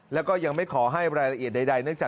แล้วก็ยังไม่ขอให้รายละเอียดใด